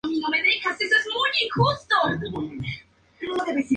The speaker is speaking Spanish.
El equipo "griego" venció con claridad en tres juegos y fue campeón.